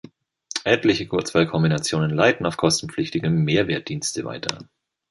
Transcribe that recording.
Etliche Kurzwahl-Kombinationen leiten auf kostenpflichtige „Mehrwertdienste“ weiter.